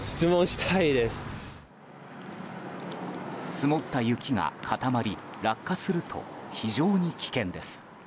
積もった雪が固まり落下すると非常に危険です。